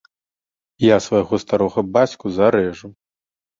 Я свайго старога бацьку зарэжу!